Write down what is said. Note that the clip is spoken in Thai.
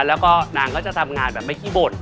แล้วก็นางก็จะทำงานแบบไม่ขี้บ่น